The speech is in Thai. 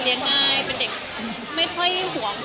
แต่กำลังจะเชื่อว่าเจ้าขาเป็นเด็กที่ละมุนนะครับ